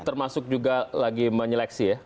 dan termasuk juga lagi menyeleksi ya